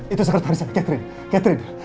itu sekretaris saya catherine